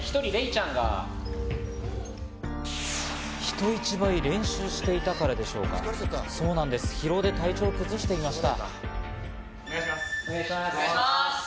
人一倍練習していたからでしょうか、疲労で体調を崩していました。